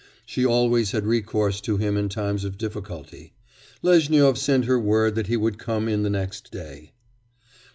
She always had recourse to him in times of difficulty. Lezhnyov sent her word that he would come in the next day.